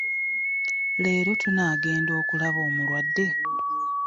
Leero tunaagenda okulaba omulwade?